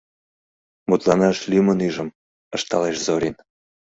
— Мутланаш лӱмын ӱжым, — ышталеш Зорин.